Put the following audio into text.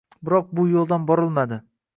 Biroq bu yo‘ldan borilmadi.